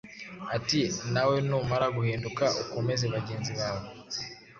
ati: “nawe numara guhinduka ukomeze bagenzi bawe.”